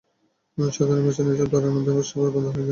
সাধারন নির্বাচনে এসব সাধারন ব্যাপারস্যাপার বাধা হয়ে দাঁড়ায় না?